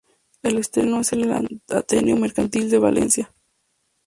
El estreno es en el Ateneo Mercantil de Valencia.